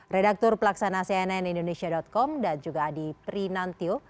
redaktur pelaksana cnn indonesia com dan juga adi prinantio